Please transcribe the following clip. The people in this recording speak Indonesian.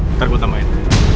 ntar gue tambahin